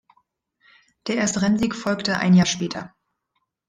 Der erste Rennsieg folgte ein Jahr später.